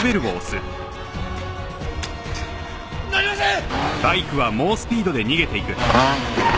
鳴りません！